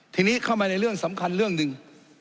ทีนี้เข้ามาในเรื่องสำคัญเรื่องหนึ่ง